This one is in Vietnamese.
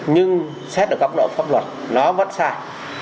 nhưng xét được góc độ pháp luật nó vẫn sai